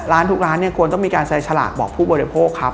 ร้านทุกร้านควรต้องมีการแสดงฉลากบอกผู้บริโภคครับ